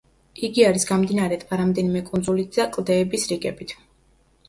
იგი არის გამდინარე ტბა რამდენიმე კუნძულით და კლდეების რიგებით.